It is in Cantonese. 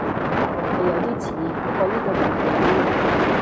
係有啲似，不過呢個冇忌廉